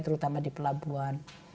terutama di pelabuhan